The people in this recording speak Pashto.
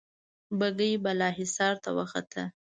بګۍ بالا حصار ته وخته.